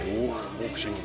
ボクシング」